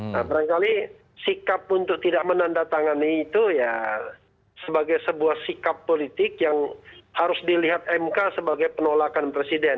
nah barangkali sikap untuk tidak menandatangani itu ya sebagai sebuah sikap politik yang harus dilihat mk sebagai penolakan presiden